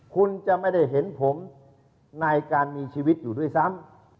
คุณจะไม่ได้เห็นผมในการมีชีวิตอยู่ด้วยซ้ำ